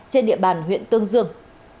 trên địa bàn huyện tương dương